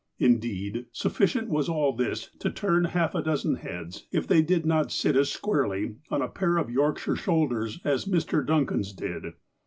Indeed, sufScient was all this to turn half a dozen heads, if they did not sit as squarely on a pair of Yorkshire shoulders, as Mr, Duncan's did.